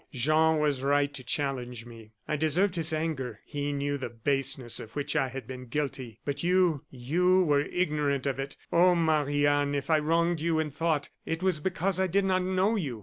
Jean was right to challenge me. I deserved his anger. He knew the baseness of which I had been guilty; but you you were ignorant of it. Oh! Marie Anne, if I wronged you in thought it was because I did not know you.